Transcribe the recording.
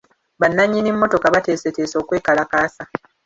Bannannyini mmotoka bateeseteese okwekalakaasa.